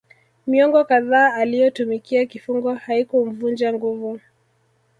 Miongo kadhaa aliyotumikia kifungo haikumvunja nguvu